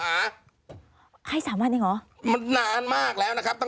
แต่ให้สามวันเอาตรงไปตรงมาเหมือนกัน